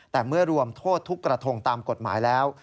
แต่เมื่อรวมโทษทุกกระทงตามกฎหมายแล้ว